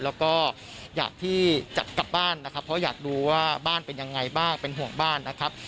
แล้วก็อยากที่จะกลับบ้านนะครับเพราะอยากดูว่าบ้านเป็นยังไงบ้างเป็นห่วงบ้านนะครับ